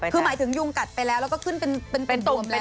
คือหมายถึงยุงกัดไปแล้วก็ขึ้นเป็นตุ่มบวมแล้ว